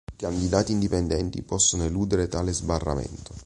I candidati indipendenti possono eludere tale sbarramento.